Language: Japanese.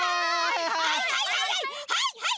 はいはい！